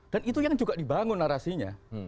dan itu yang juga dibangun narasinya